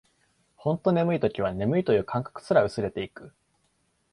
ほんと眠い時は、眠いという感覚すら薄れていく